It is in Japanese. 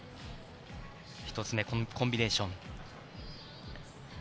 １つ目、コンビネーション。